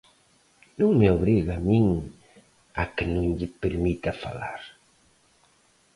Non me obrigue a min a que non lle permita falar.